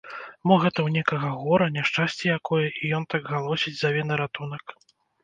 Мо гэта ў некага гора, няшчасце якое, і ён так галосіць, заве на ратунак?